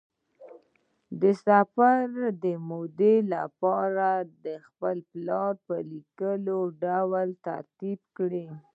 د سفر د مودې لپاره خپل پلان په لیکلي ډول ترتیب کړه.